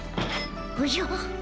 おじゃ。